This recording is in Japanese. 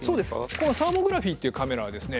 このサーモグラフィーっていうカメラはですね